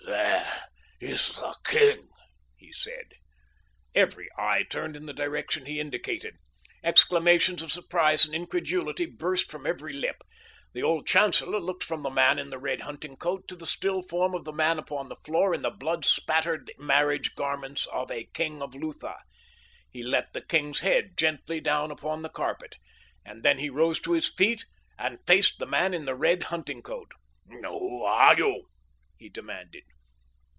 "There is the king," he said. Every eye turned in the direction he indicated. Exclamations of surprise and incredulity burst from every lip. The old chancellor looked from the man in the red hunting coat to the still form of the man upon the floor in the blood spattered marriage garments of a king of Lutha. He let the king's head gently down upon the carpet, and then he rose to his feet and faced the man in the red hunting coat. "Who are you?" he demanded.